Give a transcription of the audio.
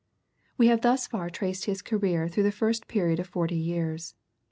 We have thus far traced his career through the first period of forty years.